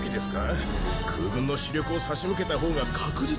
空軍の主力を差し向けたほうが確実なのでは。